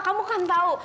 kamu kan tau